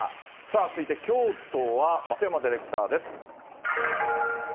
続いて京都は松山ディレクターです。